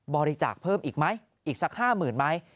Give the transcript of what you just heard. บริจาคเพิ่มอีกไหมอีกสักห้าหมื่นไหม